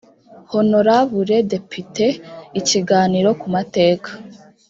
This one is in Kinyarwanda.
honorabule depute ikiganiro ku mateka